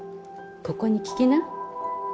ここに聞きな。